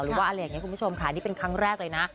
หรือว่าอะไรอย่างนี้คุณผู้ชมค่ะนี่เป็นครั้งแรกเลยนะ